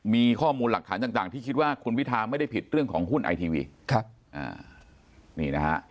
มีข้อมูลหลักฐานต่างที่คิดว่าคุณพิธาไม่ได้ผิดเรื่องของหุ้นไอทีวี